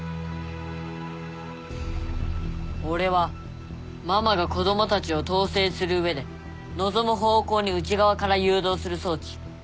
俺はママが子供たちを統制する上で望む方向に内側から誘導する装置。